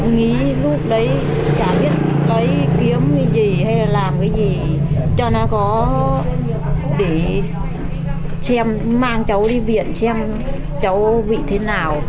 nghĩ lúc đấy chả biết cái kiếm cái gì hay là làm cái gì cho nó có để xem mang cháu đi viện xem cháu bị thế nào